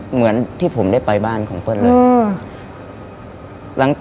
เหมือนที่ผมได้ไปบ้านของเปิ้ลเลย